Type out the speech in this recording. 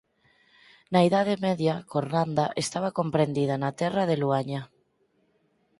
Na Idade Media Cornanda estaba comprendida na Terra de Luaña.